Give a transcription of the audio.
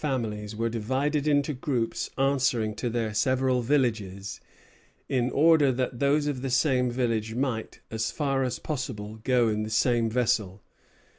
The Acadian prisoners and their families were divided into groups answering to their several villages, in order that those of the same village might, as far as possible, go in the same vessel.